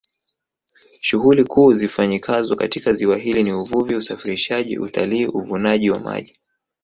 Shughuli kuu zifanyikazo katika ziwa hili ni Uvuvi Usafirishaji Utalii Uvunaji wa maji